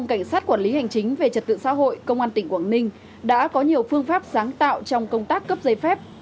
cảnh sát quản lý hành chính về trật tự xã hội công an tỉnh quảng ninh đã có nhiều phương pháp sáng tạo trong công tác cấp giấy phép